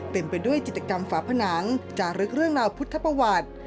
ไปด้วยจิตกรรมฝาผนังจารึกเรื่องราวพุทธประวัติ